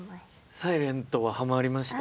「ｓｉｌｅｎｔ」はハマりました？